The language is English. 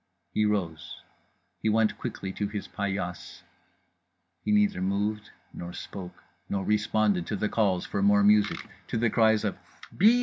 He rose. He went quickly to his paillasse. He neither moved nor spoke nor responded to the calls for more music, to the cries of "_Bis!